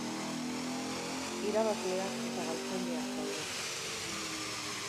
Irabazleak eta galtzaileak daude.